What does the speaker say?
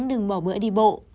và đừng bỏ bữa đi bộ